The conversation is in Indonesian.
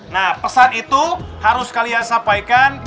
nah pesan itu harus kalian sampaikan